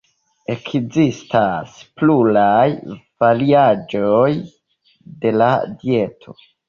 Ekzistas pluraj variaĵoj de la dieto.